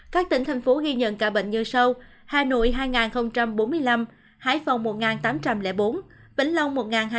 các tỉnh thành phố ghi nhận ca bệnh như sau hà nội hai bốn mươi năm hải phòng một tám trăm linh bốn bỉnh long một hai trăm tám mươi